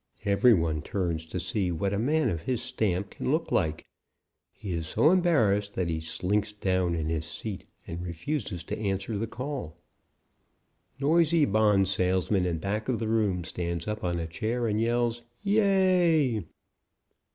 Every one turns to see what a man of his stamp can look like. He is so embarrassed that he slinks down in his seat and refuses to answer the call. [Illustration: "Noisy bond salesman in back of room stands up on chair and yells 'Yea!'"